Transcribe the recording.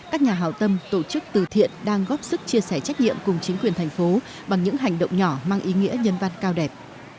các nhà hào tâm tổ chức từ thiện đang góp sức chia sẻ trách nhiệm cùng chính quyền thành phố bằng những hành động nhỏ mang ý nghĩa nhân văn cao đẹp